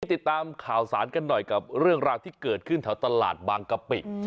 ติดตามข่าวสารกันหน่อยกับเรื่องราวที่เกิดขึ้นแถวตลาดบางกะปิ